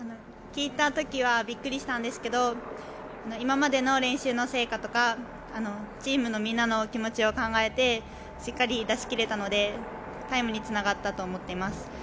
聞いた時はびっくりしたんですけど、今までの練習の成果とか、チームのみんなの気持ちを考えて、しっかり出し切れたのでタイムに繋がったと思っています。